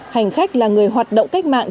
hành khách là người hoạt động cách mạng